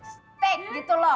steak gitu loh